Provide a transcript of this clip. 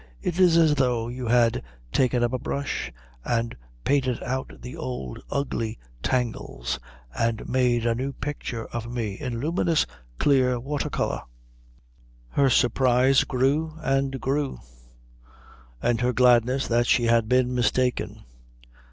It is as though you had taken up a brush and painted out the old ugly tangles and made a new picture of me in luminous, clear watercolour." Her surprise grew and grew, and her gladness that she had been mistaken.